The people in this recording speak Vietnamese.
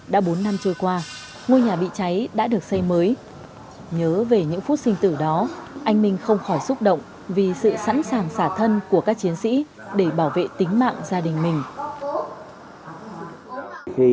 đã bốn năm trôi qua ngôi nhà bị cháy đã được xây mới nhớ về những phút sinh tử đó anh minh không khỏi xúc động vì sự sẵn sàng xả thân của các chiến sĩ để bảo vệ tính mạng gia đình mình